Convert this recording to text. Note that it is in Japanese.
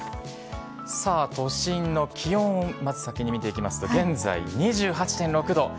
さあ、都心の気温、まず先に見ていきますと、現在、２８．６度。